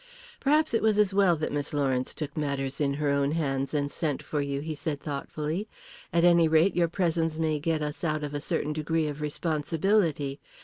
"Perhaps it was as well that Miss Lawrence took matters in her own hands and sent for you," he said thoughtfully. "At any rate, your presence may get us out of a certain degree of responsibility.